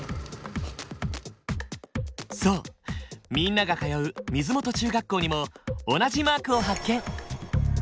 みんなが通う水元中学校にも同じマークを発見！